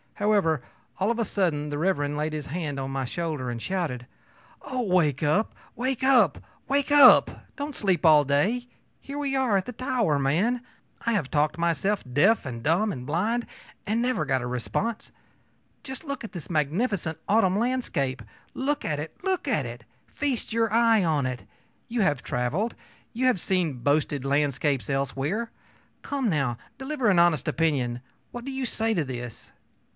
However, all of a sudden Mr. laid his hand on my shoulder and shouted: ōOh, wake up! wake up! wake up! Don't sleep all day! Here we are at the Tower, man! I have talked myself deaf and dumb and blind, and never got a response. Just look at this magnificent autumn landscape! Look at it! look at it! Feast your eye on it! You have traveled; you have seen boasted landscapes elsewhere. Come, now, deliver an honest opinion. What do you say to this?